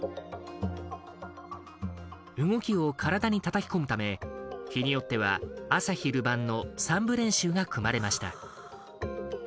動きを体にたたき込むため日によっては朝昼晩の３部練習が組まれました。